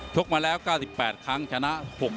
กมาแล้ว๙๘ครั้งชนะ๖๐